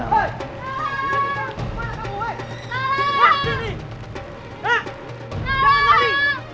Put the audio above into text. jangan menambah perlintahan kami